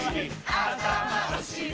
あたまおしり